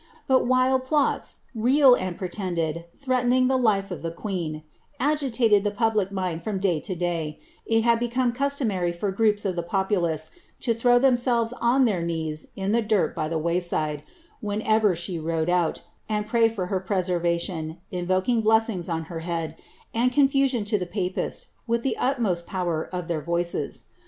But whil plots, real and pretended, threatening the life of tlie queen, agitated tli public mind from day lo day, it had become customary for groups <rflli populace to throw themselves on their knees in the dirt by the waysM whenever she rode out, and pray for her preservation, invoking ble» ings on her head, and confusion to ihe papists, with the utmost powi of their voices.